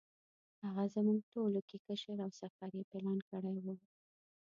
هغه زموږ ټولو کې مشر او سفر یې پلان کړی و.